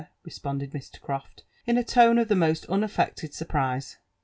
responded Mr. Croft in a tone of the most unaffected sur prise.